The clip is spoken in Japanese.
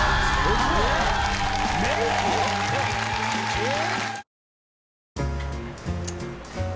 えっ？